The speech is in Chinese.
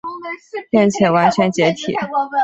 并且完全解体。